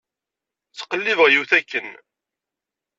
Ttqellibeɣ yiwet akken.